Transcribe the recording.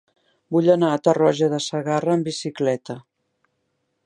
Vull anar a Tarroja de Segarra amb bicicleta.